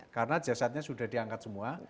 karena jasadnya sudah diangkat semua